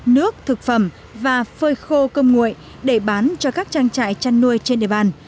nước thực phẩm và phơi khô công nguội để bán cho các trang trại chăn nuôi trên địa bàn